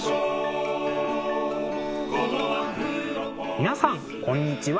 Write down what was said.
皆さんこんにちは。